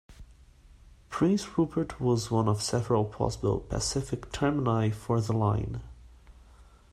Prince Rupert was one of several possible Pacific termini for the line.